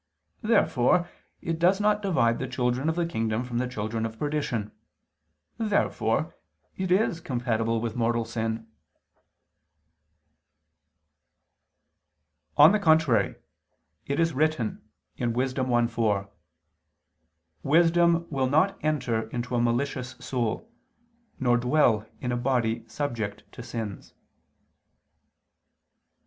Therefore it does not divide the children of the kingdom from the children of perdition. Therefore it is compatible with mortal sin. On the contrary, It is written (Wis. 1:4): "Wisdom will not enter into a malicious soul, nor dwell in a body subject to sins."